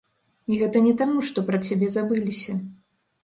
І гэта не таму, што пра цябе забыліся.